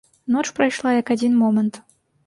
Ноч прайшла, як адзін момант.